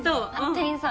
店員さん